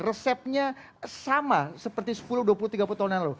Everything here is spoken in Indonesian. resepnya sama seperti sepuluh dua puluh tiga puluh tahun yang lalu